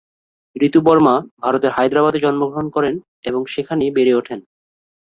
ঋতু বর্মা ভারতের হায়দ্রাবাদে জন্মগ্রহণ করেন এবং সেখানেই বেড়ে ওঠেন।